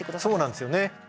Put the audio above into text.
そうなんですよね。